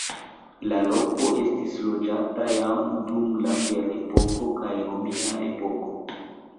La loko estis loĝata jam dum la ferepoko kaj romia epoko.